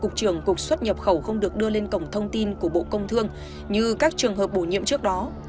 cục trưởng cục xuất nhập khẩu không được đưa lên cổng thông tin của bộ công thương như các trường hợp bổ nhiệm trước đó